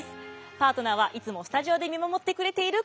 パートナーはいつもスタジオで見守ってくれている